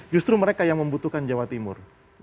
justru mereka yang membutuhkan jawa timur